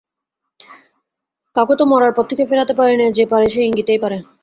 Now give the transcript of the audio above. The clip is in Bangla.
কাউকে তো মরার পথ থেকে ফেরাতে পারি নে, যে পারে সে ইঙ্গিতেই পারে।